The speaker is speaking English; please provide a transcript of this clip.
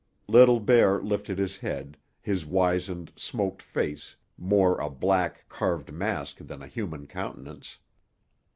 Little Bear lifted his head, his wizened, smoked face more a black, carved mask than a human countenance.